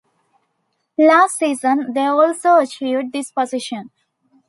Last season they also achieved this position.